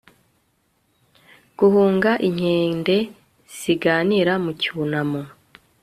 guhunga inkende ziganira mu cyunamo